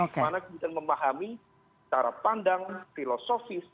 karena kemudian memahami secara pandang filosofis